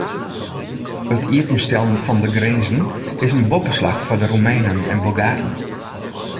It iepenstellen fan de grinzen is in boppeslach foar de Roemenen en Bulgaren.